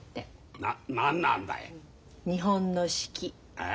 何なんだい？